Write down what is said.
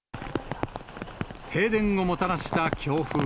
停電をもたらした強風。